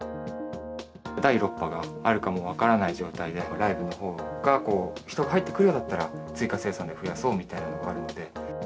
第６波があるかも分からない状態で、ライブのほうに、人が入ってくるようだったら、追加生産で増やそうみたいなのがあるので。